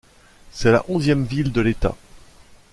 C'est la onzième ville de l’État.